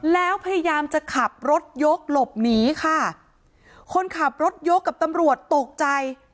แล้วพยายามจะขับรถยกหลบหนีค่ะคนขับรถยกกับตำรวจตกใจ